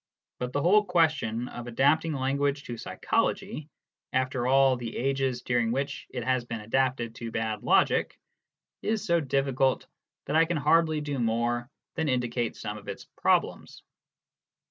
But the whole question of adapting language to psychology, after all the ages during which it has been adapted to bad logic, is so difficult that I can hardly do more than indicate some of its problems.